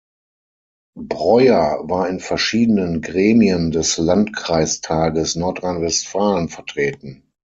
Breuer war in verschiedenen Gremien des Landkreistages Nordrhein-Westfalen vertreten.